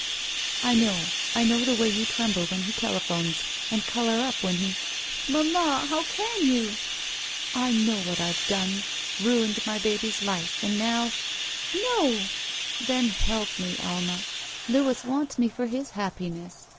"I know. I know the way you tremble when he telephones, and color up when 8 27 { SHE WALKS IN BEAUTY it Mamma, how can you?" I know what I've done. Ruined my baby's life, and now —" ''No!" ''Then help me, Alma. Louis wants me for his happiness.